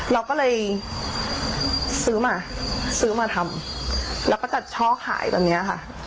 เราก็เลยซื้อมาซื้อมาทำแล้วก็จัดช่อขายตอนนี้ค่ะ